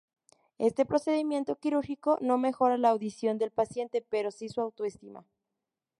Este procedimiento quirúrgico no mejora la audición del paciente, pero si su autoestima.